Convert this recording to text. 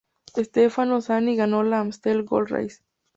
Stefano Zanini ganó la Amstel Gold Race.